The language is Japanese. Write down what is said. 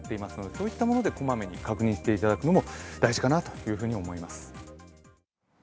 こういったものでこまめに確認していただくのも大事かなと思います。